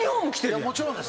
もちろんです。